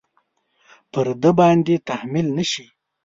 پر ده باندې تحمیل نه شي.